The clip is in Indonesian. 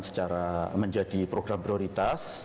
secara menjadi program prioritas